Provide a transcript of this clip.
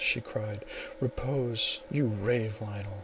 she cried, "repose! you rave, Lionel!